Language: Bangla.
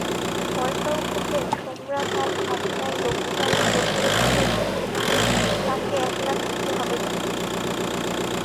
পরেশবাবু কহিলেন, তোমরা তাঁর আপনার লোক থাকতে তাঁকে একলা থাকতে হবে কেন?